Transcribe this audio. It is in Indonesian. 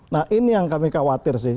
nah ini yang kami khawatir sih